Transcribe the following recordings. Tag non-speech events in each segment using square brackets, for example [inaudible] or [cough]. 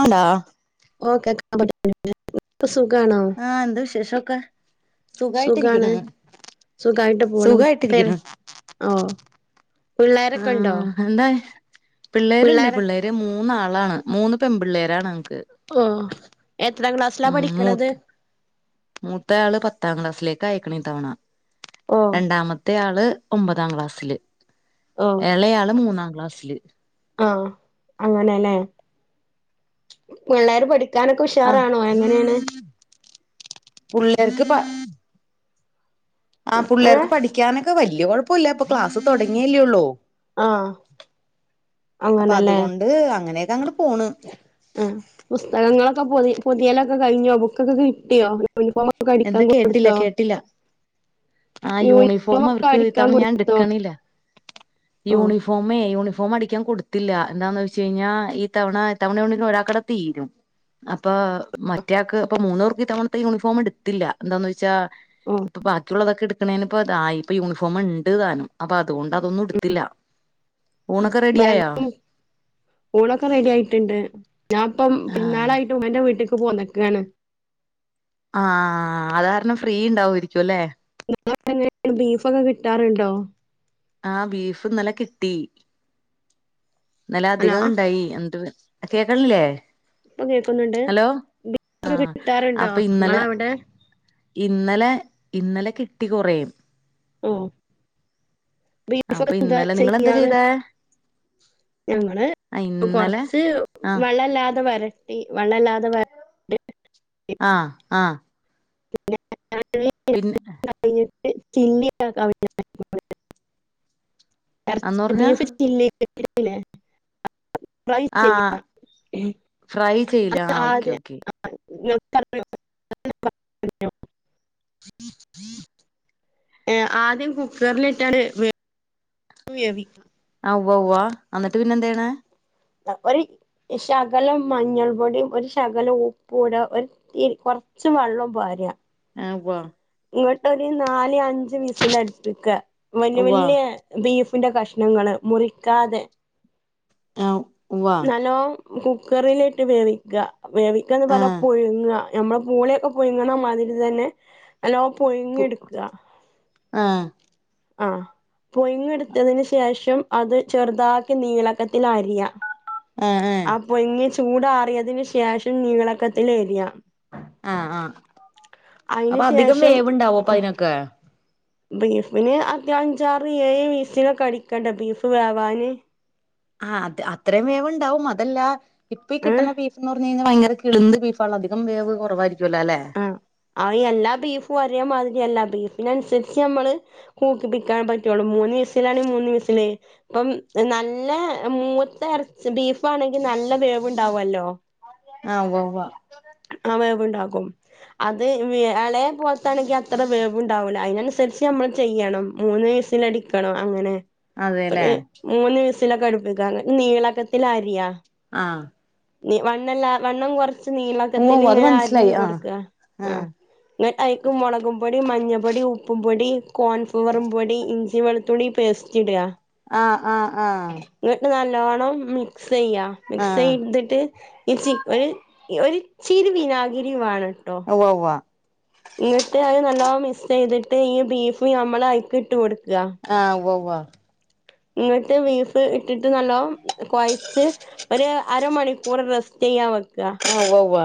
ആടാ [unintelligible] ഇപ്പ സു ആ എന്താ വിശേഷം? ക്ക സുഖാണ്, സുഖായിട്ട് പോണ് സുഖായിട്ടിരിക്ക്ണ് [unintelligible] ഓ പിള്ളേരൊക്കെ ഇണ്ടോ? പിള്ളേരുണ്ട്. പിള്ളേര് മൂന്നാ ന്നാണ് മൂന്ന് പെമ്പിള്ളേരാണ്. ഓ, എ എത്രാം ക്ലാസ്സിലാ പഠിക്ക്ണത്. മൂത്ത ആള് പത്താം ക്ലാസ്സിലേകായിക്ക്ണ് ഇത്തവണ. ഓ രണ്ടാമത്തെ ആള് ഒമ്പതാം ക്ലാസ്സില്. ഓ ഇളയാള് മൂന്നാം ക്ലാസില്. ആഹ് അങ്ങനെല്ലേ, [inaudible] പിള്ളേർ പഠി ക്കാനൊക്കെ ആഹ് ഉഷാറാണോ? എങ്ങനെണ് [inaudible] പുള്ളേർക്ക് പ ആഹ് ഏ പുള്ളേർക്ക് പഠിക്കാന് ഒക്കെ വല്യ കുഴപ്പല്ല, ഇപ്പോ ക്ലാസ് തുടങ്ങിയല്ലേയൊള്ളു ആഹ് അപ്പൊ അങ്ങനല്ലേ, അതുകൊണ്ട് അങ്ങനെയൊക്കെ അങ്ങട് പോണ് ആഹ് പുസ്തകങ്ങളൊക്കെ പോതി പൊതിയലൊക്കെ കഴിഞ്ഞോ? ബുക്കൊക്കെ കിട്ടിയോ യൂണിഫോം ഒക്കെ അടിക്കാൻ എന്താ കേട്ടില്ല കൊടുത്തോ കേട്ടില്ല, ആഹ് യൂണിഫോം യൂണിഫോമ് ഒക്കെ അവർക്ക് അടിക്കാൻ ഇത്തവണ ഞാൻ കൊടുത്തോ എടുക്ക്ണില്ല. ഓ യൂണിഫോമേ, യൂണിഫ യൂണഫോമ് അടിക്കാൻ കൊടുത്തില്ല. എന്താന്ന് വെച്ച് കഴിഞ്ഞാൽ ഈ തവണ ഈ തവണ ഒരാൾക്കിന്നവിടെ തീരും. അപ്പൊ മറ്റയാക്ക് [unintelligible] തവണത്തെ യൂണിഫോം എടുത്ത ട്ത്തില്ല, എന്താന്ന് വെച്ചാ ഓ ഇപ്പൊ ബാക്കിയുള്ളതൊക്കെ എടുക്കണേന് ഇപ്പതായി, ഇപ്പൊ യൂണിഫോമ് ഇണ്ട് താനും അപ്പോ ഹ്മ്മ് ഊണൊക്കെ റെഡിയായോ ബാഗും, ഊണൊക്കെ റെഡി ആയിട്ടുണ്ട് ഞാൻ ഇപ്പം ആഹ് പെരുന്നാളായിട്ടും എന്റെ വീട്ടിക്ക് പ്പം പോന്നെക്കാണ്. ആഹ് അത് കാരണം ഫ്രീ ഉണ്ടാകുവായിരിക്കുലെ. [unintelligible] ബീഫൊക്കെ കിട്ടാറുണ്ടോ? ആഹ് ബീഫ്ന്നലെ കിട്ടി. ഇന്നലെ ഹലോ അധികം ഇണ്ടായി എന്നിട്ട് കേക്കനില്ലേ ഇപ്പൊ കേക്കുന്നുണ്ട് [inaudible] ആഹ് കിട്ടാറുണ്ടോ അപ്പൊ ഇന്നലെ നീങ്ങളാ അവിടെ ഇന്നലെ ഇന്നലെ കിട്ടി കുറയും ഓ ബീഫ് അപ്പൊ ഓക്കേ എന്താ ഇന്നലെ നിങ്ങളെന്താ ചെയ്യാറ് ചെയ്തേ എ ആ ഇന്നലെ ആ വെള്ളല്ലാതെ വ ആ ആ [inaudible] പിന്നെ ചിയവി [unintelligible] അന്ന് ഇറച്ചി പറഞ്ഞാ ആ ഫ്രൈ ചെയ്യില്ലേ ആ ഓക്കെ ഓക്കെ [inaudible] [inaudible] [inaudible] [inaudible] ഏ ആദ്യം കുക്കറിലിട്ടാണ് വെവി വേവി ആ ഉവ്വ് വ്വ അന്നിട്ട് പിന്നെ എന്തെയ്യ് ണ് ഒര് ശകലം മഞ്ഞൾ പൊടിം ഒര് ശകലം ഉപ്പൂട ഒരുത്തിരി കൊറച്ച് വെള്ളും പാരാ അ കൊ ഇങ്ങട്ടൊര് നാല് അ ഞ്ച് വിസിലട്പിക്ക വെല്ല്യ ഉവ്വ വെല്ല്യ ബീഫ് ഫീന്റെ കഷ്ണങ്ങൾ മുറിക്കാതെ ആ ഉവ്വ നാലോം കുക്കറിലിട്ട് വേവിക്ക വേവിക്കന്ന് ആ പറഞ്ഞ പുഴുങ്ങാ നമ്മള് പൂളെയ്ക്കെ പുഴങ്ങ്ണമാതിരി തന്നെ നല്ലോം പു പുഴിങ്ങെട്ക്ക ആ ആ പുഴ്ങ്ങി യെടുത്തതിന് ശേഷം അത് ചെർതാക്കി നീളക്കത്തിൽ അരിയ ആ അ ആ പുഴു ചൂടാറിയതിനന് ശേഷം നീളക്കത്തില് എരിയാ ആ ആ അയിന് അപ്പൊ അധികം ശേഷം വേവ്ണ്ടാവോ പ്പയ്നൊക്കെ ബീഫിന് അത്യാഞ്ചാറ്ഏഴ് വിസിലൊക്കടിക്കണ്ട ബീഫ് വേവാന് ആ അത് അത്രയും വേവ്ണ്ടാവും അതല്ല ഇപ്പോ ഈ ഏഹ് കിട്ട്ണ ബീഫ് എന്ന് പർഞ്ഞ് കഴിഞ്ഞാൽ ഭയങ്കര കിളന്ന് ബീഫാണ് അധികം വേവ് കൊറവായിരിക്കും ആ അഅ് എല്ലാ ബീഫു ഒരേമാതിരി യല്ലാ ബീഫിനനുസരിച്ച് നമ്മള് കൂക്കിപ്പിക്കാൻ പറ്റുള്ളൂ മൂന്ന് വിസിലാണേ മൂന്ന് വിസില് പ്പം നല്ല മൂത്ത എർച്ചി ബീഫാണെങ്കി നല്ല വേവ് ണ്ടാവോല്ലോ ആ ഉവ്വ വ്വ ആ വേവ്ണ്ടാ ക്കും അത് വി എളയെ പോലത്താണെങ്കി അത്ര വേവ്ണ്ടാവൂല്ല അയ്നൻസരിച്ച് നമ്മൾ ചെയ്യണം മൂന്ന് വിസിലടിക്കണം അങ്ങനെ അതെല്ലേ ഒര് മൂന്ന് വിസ് ലൊക്കെ അടുപ്പിക്കാന് നീളക്കത്തിൽ അരിയാ ആ നി വണ്ണല്ല വണ്ണം കൊർച്ച് നീള ഉവ്വ ഉവ്വ അത് ക്കത്തിനിങ്ങനെ മനസ്സിലായി അര്ഞ്ഞ് ആഹ് കൊട്ക്ക ആ ഇങ്ങട്ട്യ്ക്ക് മുളകും പൊടിം മഞ്ഞപ്പൊടിം ഉപ്പുംപൊടിം കോൺഫ്ലുവറും പൊടി ഇഞ്ചി വെള തുള്ളി പേസ്റ്റിട ആ ആ ആ മിക്സ് ചെയ്യ മിക്സെയ്തിട്ട് ഇ ച്ചി ഒര് ഒര് ച്ചിരി വിനാഗിരിയു വാണം ഒവ്വാ ഒവ്വാ ഇന്നിട്ട് അഹ് നല്ലോ മിസ്സ് ചെയ്തിട്ട് ഈ ബീഫ് നമ്മളയ്ക്കിട്ട് കൊട് ആഹ് ഉവ്വാ വാ ഇങ്ങട്ട് ബീഫ് ഇട്ടിട്ട് നല്ലോ കൊഴച്ച് ഒര് അരമണിക്കൂർ റെസ്റ്റെയ്യാൻ വെക് ആഹ് ഉവ്വാ ഉവ്വാ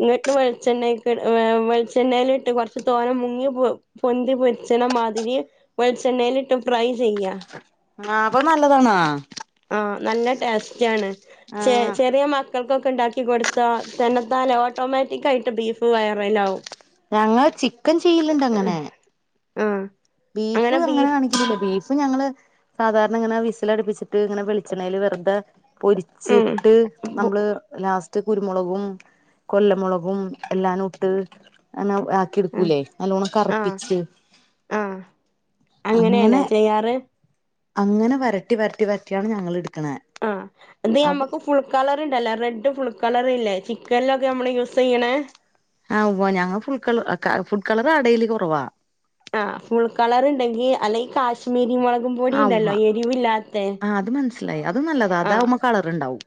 ഇങ്ങിട്ട് വെളിച്ചെണ്ണക്ക് ഏഹ് വെളിച്ചെണ്ണയിലിട്ട് കൊറച്ച് തോനെ മുങ്ങി പൊ പൊന്തി പൊരിച്ചണ മാതിരി വെളിച്ചെണ്ണയിലിട്ട് ഫ്രൈ ചെയ്യാ. ആഹ് അപ്പൊ നല്ലതാണാ? ആ നല്ല ടേസ്റ്റാണ്. ചെ ആഹ് ചെറിയ മക്ക് ക്കൾക്കൊക്കെ ഇണ്ടാക്കി കൊടുത്താ തന്നെത്താനെ ഓട്ടോമാറ്റിക്കായിട്ട് ബീഫ് വയറേലാകും. ഞങ്ങള് ചിക്കൻ ചെയ്യല്ണ്ട് അങ്ങനെ. ആഹ് ബീഫ് അങ്ങനെ കാണി [unintelligible] വെരും ബീഫ് ഞങ്ങള് സാധാരണ ഇങ്ങനെ വിസലടിപ്പിച്ചിട്ട് ഇങ്ങനെ വെളിച്ചെണ്ണയില് വെറുതെ ഉം പൊരിച്ചിട്ട് നമ്മള് ലാസ് ച്ച് കുരുമൊളകും കൊല്ലമൊളകും എല്ലാനൂട്ട് അനെ ആക്കി ആഹ് എടുക്കൂല്ലേ നല്ലോണ്ണം ആഹ് കറപ്പിച്ച് ആഹ് അങ്ങനെയാല്ലേ ചെയ്യാറ് അങ്ങനെ വരട്ടി വരട്ടി വരട്ടിയാണ് ഞങ്ങൾ എട് ആ അത് ഞമ്മക്ക് ഫുൾ കളർ ഇണ്ടല്ലോ റെഡ് ഫുൾ കളർ ഇല്ലേ ചിക്കനിലൊക്കെ നമ്മള് യൂസ് ചെയ്യണേ? ആവോ ഞങ്ങൾ ഫുൾ കളർ ക ഫുഡ് കളർ ആഡ് ചെയ്യല് കൊറവാ ആഹ് ഫുൾ കളർ ഇണ്ടെങ്കി അല്ലെങ്കിൽ കാശ്മീരി മുളക് കും പൊടി ഇണ്ടല്ലോ എരിവില്ലാത്തെ? സ്സിലായി. അത് നല്ലതാ അതാവുമ്മൊ കളറ്ണ്ടാവും.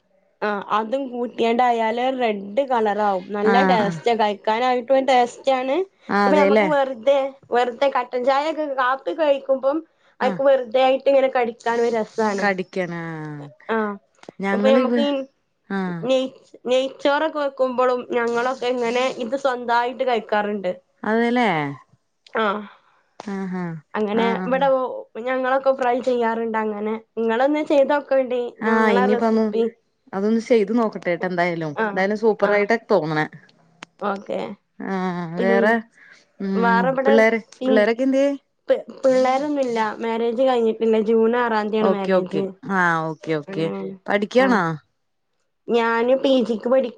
ആ അതും കൂട്ടിയേണ്ടായാല് റെഡ് ഡ് കളറാവും ആ നല്ല ആ ടേസ്റ്റാ കഴിക്കാനായി ഇപ്പം ടേസ് ക്കാണ് ആ അപ്പൊ അതെല്ലേ ഞമ്മക്ക് വെറുതെ- വെറുത കട്ടൻചായയൊക്കെ കാപ്പി കഴിക്കുമ്പം അയ്ക്ക് വെറുതേ ആയി എനിക്ക് ഇങ്ങനെ കടിക്കൻ ഒരു ര കടിക്കനാ ആ അപ്പൊ ഞമുക്ക് ആ നെയ് നെയ്ച്ചോറൊക്കെ വെക്കുമ്പൊളും ഞങ്ങളൊക്കെ ഇങ്ങനെ ഇത് സ്വന്തയിട്ട് കഴിക്കും റ്ണ്ട് അതെല്ലേ ആ ആ ആ ആ അങ്ങനെ ഇവിടെ പ്പ ഞങ്ങളൊക്കെ ഫ്രൈ ചെയ്യാറുണ്ട് അങ്ങനെ. നിങ്ങളൊന്ന് ചെയ്തോ ആ ഇനിയിപ്പോ ഒന്ന് അതൊന്ന് ചെയ്ത് നോക്കട്ടെ ട്ടാ എന്തായാലും. ആഹ് എന്തായാലും ആഹ് സൂപ്പറായിട്ടാ തോന്നണേ. ഓക്കെ ആ പിൻ വേറെ ഉം പിള്ളേർ പിള്ളേരൊക്കെ എന്ത്യേ? പിള്ളോരൊന്നുല്ല മാരേജ് കഴിഞ്ഞിട്ടില്ല ജൂൺ ആറാം തീയതിയാണ് ഓക്കെ ഓക്കെ മാരേജ് ആ ഓക്കെ ഓക്കെ അങ്ങനെയാണ് ആഹ് പഠിക്ക്യാണോ? ഞാന് പി ജി ക്ക് പഠി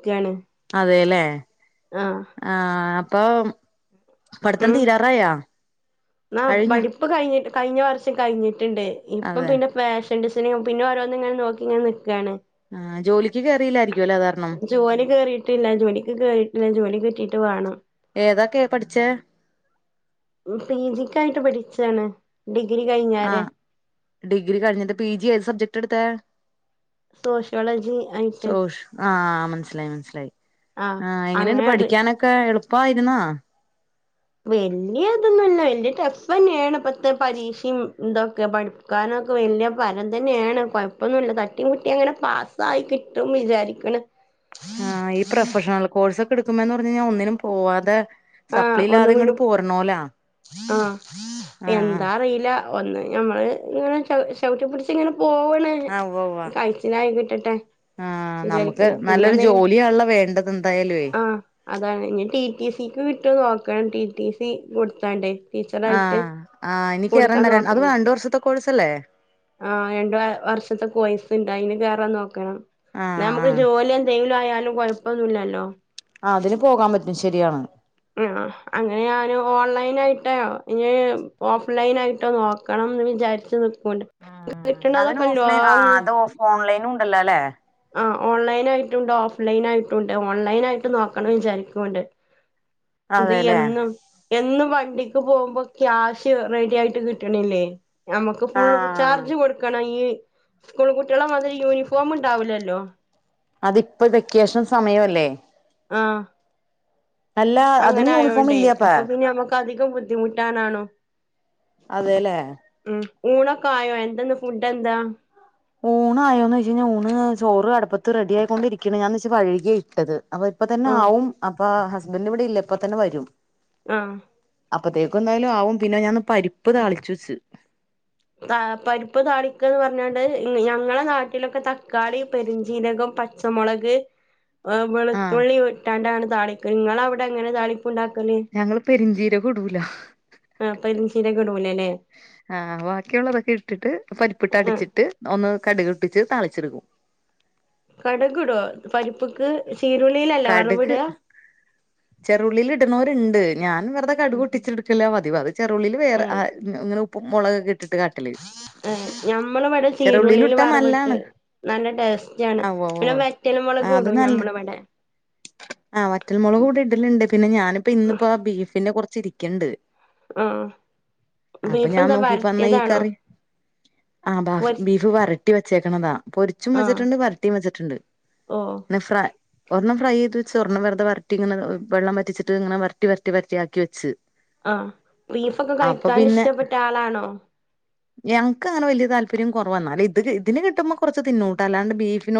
അതെല്ലേ ആഹ് ആ അ പ്പം പഠിത്തം ഉം തീരാറായാ ആ കഴിഞ്ഞ? പഠിപ്പ് കഴിഞ്ഞിട്ട് കഴിഞ്ഞ വർഷം കഴിഞ്ഞ് ട്ടിണ്ട് ഇപ്പം പിന്നെ ഫാഷ ഷൻ ഡിസൈനിങ്ങും പിന്നെ ഓരോന്നിങ്ങ നോക്കിങ്ങനെ നിക്കാണ്. ആഹ് ജോലിക്ക് കേറിയില്ലായിരിക്കുംല്ലേ അത് കാരണം ജോലി കേറിയിട്ടില്ല ജോലിക്ക് കേറിയിട്ടില്ല ജോലി കിട്ടി ട്ട് വേണം. ഏതൊക്കെയാ പഠിച്ചെ? പി ജി ക്കായിട്ട് പഠിച്ചാണ്. ഡിഗ്രി ആ കഴിഞ്ഞാരെ ഡിഗ്രി കഴിഞ്ഞിട്ട് പി ജി ഏത് സബ്ജ ക്ടാ എടുത്തെ? സോഷ്യോളജി ആയിട്ട് സോഷ് ആ മനസ്സിലായി മനസ്സിലായി ആഹ് ആ എങ്ങനെയുണ്ട് അങ്ങനെ അത് പഠിക്കാനൊക്കെ എളു പ്പായിരുന്ന? വെല്ല്യ ഇതൊന്നൂല്ല വെല്ല്യ ടെഫ് യെന്നെയാണ് ഇപ്പത്തെ പരീക്ഷിം ഇതൊക്കെ, പഠിക്കാനൊക്കെ വല്യ പരം തന്നെയാണ് കൊഴപ്പൊന്നൂല്ല, തട്ടീം മുട്ടീം അങ്ങനെ പാസായി കിട്ടും വിചാരിക്കണ്. ആ ഈ പ്രൊഫഷണൽ കോഴ്സ് ഇടുക്കുമ്പേന്ന് പറഞ്ഞ് കഴിഞ്ഞാ ഒന്നിനും പോവാതെ ആ സപ്ലി ഒന്നും ഇല്ലാതെ കുഞ്ഞു ഇങ്ങോട്ട് പോരണോലാ ആ ആഹ് ആഹ് എന്താ അറിയീലാ. ഒന്ന് ഞമ്മള് ഇങ്ങനെ ച ചവിട്ടി പിടിച്ച് ഇങ്ങനെ പോവല് ആഹ് ഉവ്വ ഉവ്വ കഴച്ചിലായി കിട്ടട്ടെ, ആഹ് നമുക്ക് വിചാരിക്ക്ണ് പിന്നെ നല്ലൊരു എന്തേയിന് ജോലിയാണല്ലോ വേണ്ടത് എന്തായാലുവേ ആ അതാണ് ഇ ടി ടി സിക്ക് കിട്ട് ഇട്ട് നോക്കണം ടി ടി സി കൊട്ത്താണ്ടേ ആ ആ എനിക്കേറണ്ട അത് രണ്ട് വർഷത്തെ കോഴ്സ് സല്ലേ? ആ രണ്ട് വ വർഷത്തെ കോഴ്സ്ണ്ട് അയിന് കേറാൻ നോക്ക ക്കണം ന്നാ ആഹ് നമ്മക്ക് ആഹ് ജോലി എന്തെങ്കിലും ആയാലും കൊഴപ്പൊന്നുല്ലാല്ലോ ആഹ് അതിന് പോകാൻ പറ്റും ശരിയാണ് ആഹ് അങ്ങനെ ഞാന് ഓൺലൈൻ ആയി പിന്നെ ഇഞ് ഓഫ് ലൈന് ആയിട്ടോ നോക്കണന്ന് വിചാരിച്ച് നിക്കും ഉം അതിന് ഓഫ് ലൈന് ആ അത് ഓഫ് ഓൺലൈൻ ഉണ്ടല്ലോ ഇല്ലേ ആ ഓൺലൈയിനായിട്ടുണ്ട് ഓഫ്‌ ലൈനായിട്ടുണ്ട് ഓൺലൈനായിട്ട് നോക്കണന്ന് വിചാരിക്കുണ്ട് ഇപ്പൊ അതെല്ലേ ഈയെന്നും എന്നും വണ്ടിക്ക് പോകുമ്പോ ക്യാഷ് റെഡി ആയിട്ട് കിട്ടണില്ലെ ഞമ്മക്ക് ഫുള്ള് ആഹ് ചാർജ് കൊടുക്കണം ഈ സ്കൂൾ കുട്ടികളെ മാതിരി യൂണിഫോം ഇ ണ്ടാവൂലല്ലോ അതിപ്പം വെക്കേഷൻ സമയമല്ലേ ആ അല്ല അതിന് യൂണിഫോം ഇല്ലെ അപ്പാ ബുദ്ധിമുട്ടാണാണൊ അതെ ഇല്ലേ ഊണൊക്കായോ എന്താന്ന് ഫുഡ് എന്താ ഊണായോന്ന് ചോയിച്ച് കഴിഞ്ഞാ ഊണ് ചോറ് അടുപ്പത്ത് റെഡി ആയിക്കൊണ്ടിരിക്ക്ണ് ഞാന്ച്ച് വഴിക്കിയ ഇട്ടത് അപ്പൊ ഇപ്പൊ തന്നെ ആഹ് ആവും ഇപ്പ ഹസ്ബന്റ് ഇവിടെ ഇല്ല ഇപ്പ തന്നെ വരും ആ അപ്പത്തേക്കും എന്തായാലും ആവും പിന്നെ ഞാൻ ഒന്ന് പരിപ്പ് താളിച് വെച്ച് ക്ക്ന്ന് പറഞ്ഞാണ്ട് ഞങ്ങളെ നാട്ടിലൊക്കെ തക്കാളി പെരിഞ്ചീരകം പച്ചമുളക് ഏ ആഹ് വെളുതുള്ളിവിട്ടാണ്ടാണ് താളിക്ക ങ്ങളവിടെ എങ്ങനെ താളിക്ക ഞങ്ങള് പെരിഞ്ചീരകം ഇടൂല ആ പെരുംജീരകം ഇടൂലലേ ആഹ് ബാക്കിയുള്ളതൊക്കെ ഇട്ടിട്ട് പരിപ്പിട്ട് ആഹ് അടിച്ചിട്ട് ഒന്ന് കടുക് പൊട്ടിച്ച് താളിച്ചെടുക്കും. കടക് ഇടോ പരിപ്പ്ക്ക് ചീരുളിലല്ലെ വറവ് ഇടാ ചെറുള്ളിയിൽ ഇടുന്നോരുണ്ട് ഞാൻ വെറുതെ കടുക് ആഹ് പൊട്ടിച്ചെടുക്കല പതിവ് അത് ചെറുള്ളിയിൽ വേറെ അ ഇങ്ങനെ മുളക് കെ ഏ ഞമ്മളിവിടെ ചെറുള്ളിൽ ചീരുള്ളിൽ ഇട്ടാ വറവിട്ട് നല്ലാണ് നല്ല ടേസ്റ്റ ആണ് ആ ഉവ്വ ഉവ്വ പിന്നെ വെറ്റൽ മുളക് ആഹ് അത് ഇടും നല്ല ഞമ്മൾവിടെ ണ്ട് പിന്നെ ഞാനിപ്പോ ഇന്നിപ്പോ ആ ബീഫ് പിന്നെ കുറച്ച് ഇരിക്കണ്ട് ആഹ് അപ്പൊ ബീഫ് ഞാൻ എന്താ നോക്കിപറഞ്ഞ ഈ വരട്ടിയതാണോ കറി ആ ബഫ പൊരി ബീഫ് വര ട്ടി വച്ചേകണതാണ് പൊരിച്ചും ആഹ് വെച്ചിട്ടുണ്ട് വരട്ടിയും വെച്ചിട്ടുണ്ട് ഓ ഫ്ര ഒരണ്ണം ഫ്രൈചെയ്ത് ച്ചോ സ്വർണം വെറുതെ തിന്നുന്നതോ വെള്ളം പറ്റിച്ചിട്ട് ഇങ്ങനെ വരട്ടി വരട്ടി വരട്ടിയാക്കി വെച്ച് ആഹ ബീഫൊക്കെ അപ്പൊ കഴിക്കാൻ പിന്നെ ഇഷ്ടപ്പെട്ട ആളാണോ ഞങ്ങക്ക് അങ്ങനെ വലിയ താല്പര്യം കുറവാ ഇത് കിട്ടുമ്പോ കുറച്ച് തിന്നൂട്ടോ അല്ലാണ്ട് ബീഫോനോട്‌